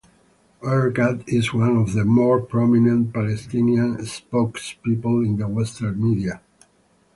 Erekat is one of the more prominent Palestinian spokespeople in the Western media.